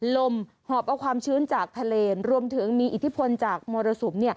หอบเอาความชื้นจากทะเลรวมถึงมีอิทธิพลจากมรสุม